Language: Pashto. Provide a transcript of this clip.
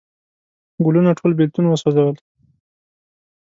ګلونه ټول بیلتون وسوزل